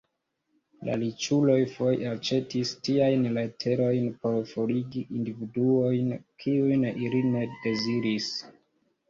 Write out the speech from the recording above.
La riĉuloj foje aĉetis tiajn leterojn por forigi individuojn kiujn ili ne deziris.